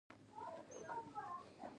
هغه یې ګوالیار قلعې ته واستوه.